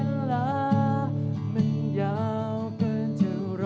น่ารักค่ะ